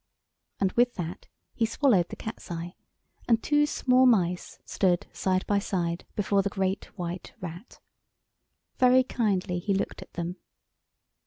And with that he swallowed the Cat's eye, and two small mice stood side by side before the Great White Rat. Very kindly he looked at them.